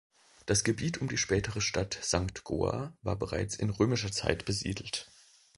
Das Gebiet um die spätere Stadt Sankt Goar war bereits in römischer Zeit besiedelt.